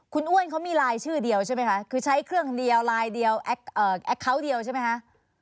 คุณอ้วนเขามีลายชื่อเดียวใช่ไหมคะคือใช้เครื่องเดียวลายเดียวแอคเคาน์เดียวใช่ไหมคะ